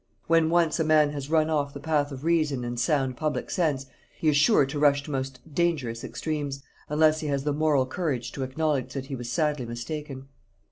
When once a man has run off the path of reason and sound public sense, he is sure to rush to most dangerous extremes, unless he has the moral courage to acknowledge that he was sadly mistaken.